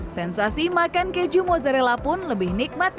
sensasi makan keju mozzarella pun lebih nikmat